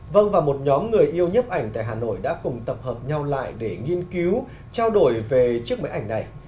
vâng và một nhóm người yêu nhếp ảnh tại hà nội đã cùng tập hợp nhau lại để nghiên cứu trao đổi về chiếc máy ảnh này